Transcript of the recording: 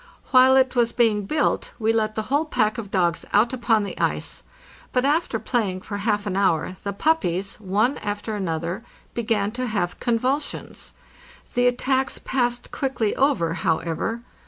While it was being built we let the whole pack of dogs out upon the ice; but after playing for half an hour the puppies, one after another, began to have convulsions. The attacks passed quickly over, however.